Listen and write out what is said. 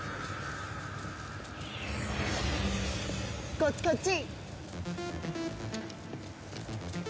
こっちこっち！